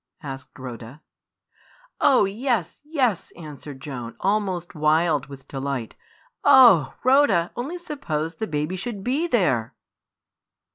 asked Rhoda. "Oh, yes, yes!" answered Joan, almost wild with delight. "Oh! Rhoda, only suppose the baby should be there!"